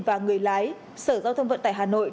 và người lái sở giao thông vận tải hà nội